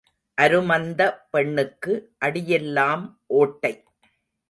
அருமந்த பெண்ணுக்கு அடியெல்லாம் ஓட்டை.